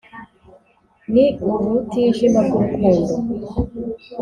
ni ubutijima bw’urukundo,